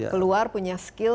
keluar punya skill